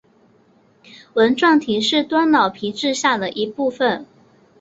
纹状体是端脑皮质下的一部份。